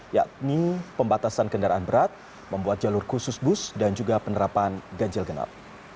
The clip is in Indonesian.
yakni pembatasan kendaraan berat membuat jalur khusus bus dan juga penerapan ganjil genap